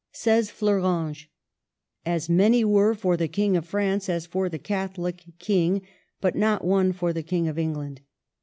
Says Fleurange :—" As many were for the King of France as for the Catholic King, but not one for the King of England.